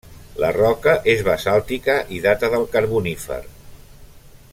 La roca és basàltica i data del Carbonífer.